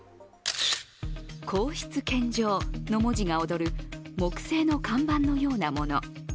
皇室献上の文字が躍る木製の看板のようなもの。